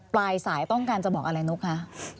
ปลายสายต้องการจะบอกอะไรนุ๊กคะ